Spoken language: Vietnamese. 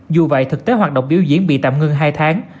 dù vậy thực tế hoạt động biểu diễn bị tạm ngưng hai tháng